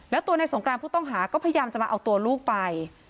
แล้วตัวในสงกรานผู้ต้องหาก็พยายามจะมาเอาตัวลูกไป